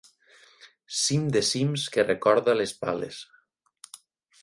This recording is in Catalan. Cim de cims que recorda les pales.